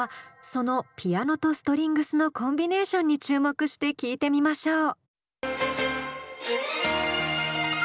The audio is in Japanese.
そのピアノとストリングスのコンビネーションに注目して聴いてみましょう。